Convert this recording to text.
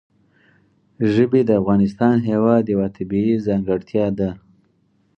ژبې د افغانستان هېواد یوه طبیعي ځانګړتیا ده.